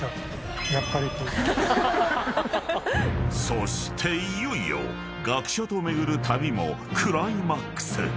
［そしていよいよ学者と巡る旅もクライマックス］